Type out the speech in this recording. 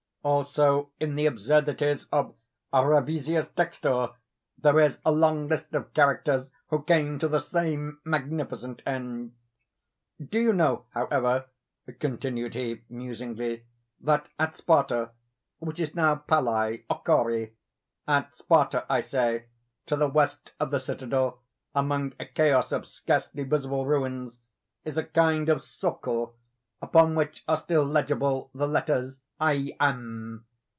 Also in the Absurdities of Ravisius Textor, there is a long list of characters who came to the same magnificent end. Do you know, however," continued he musingly, "that at Sparta (which is now Palæochori,) at Sparta, I say, to the west of the citadel, among a chaos of scarcely visible ruins, is a kind of socle, upon which are still legible the letters ΛΑΞΜ.